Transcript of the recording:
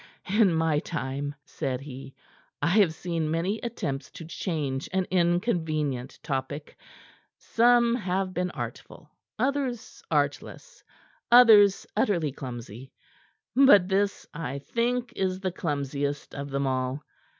"In my time," said he, "I have seen many attempts to change an inconvenient topic. Some have been artful; others artless; others utterly clumsy. But this, I think, is the clumsiest of them all.